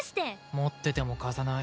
持ってても貸さない。